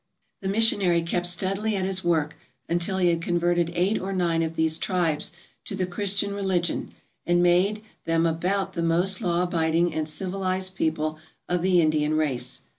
The missionary kept steadily at his work until he had converted eight or nine of these tribes to the Christian religion and made them about tt|f most law abiding and civilized people of the Indian race.